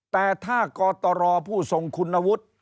แต่ถ้ากตรผู้ทรงคุณวุฒิ